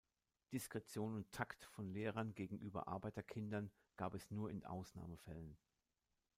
Diskretion und Takt von Lehrern gegenüber Arbeiterkindern gab es nur in Ausnahmefällen.